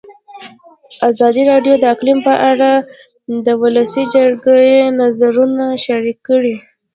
ازادي راډیو د اقلیم په اړه د ولسي جرګې نظرونه شریک کړي.